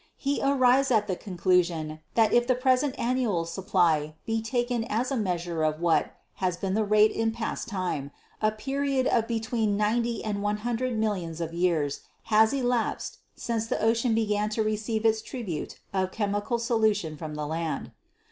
He ar rives at the conclusion that if the present annual supply be taken as a measure of what has been the rate in past time, a period of between 90 and 100 millions of years has elapsed since the ocean began to receive its tribute of chemical solution from the land.